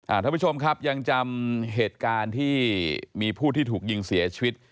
ท่านผู้ชมครับยังจำเหตุการณ์ที่มีผู้ที่ถูกยิงเสียชีวิต